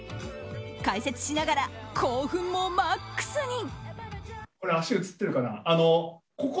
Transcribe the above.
解説しながら興奮もマックスに。